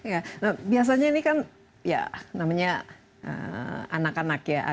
biasanya ini kan ya namanya anak anak ya ada yang mungkin memiliki talenta tertentu atau minat tertentu